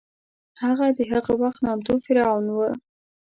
هغه د هغه وخت نامتو فرعون و.